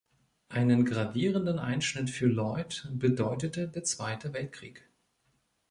Einen gravierenden Einschnitt für Lloyd bedeutete der Zweite Weltkrieg.